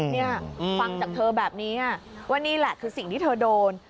นี่ฟังจากเธอแบบนี้ว่านี่แหละคือสิ่งที่เธอโดน